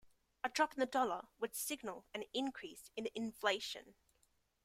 A drop in the dollar would signal an increase in inflation.